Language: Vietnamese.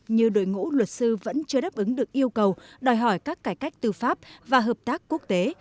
như đội ngũ luật sư vẫn chưa đáp ứng được yêu cầu đòi hỏi các cải cách tư pháp và hợp tác quốc tế